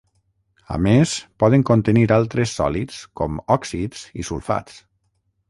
A més poden contenir altres sòlids com òxids i sulfats.